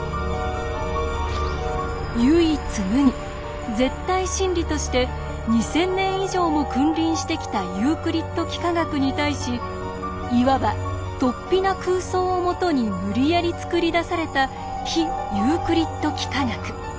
唯一無二絶対真理として２，０００年以上も君臨してきたユークリッド幾何学に対しいわばとっぴな空想を基に無理やり作り出された非ユークリッド幾何学。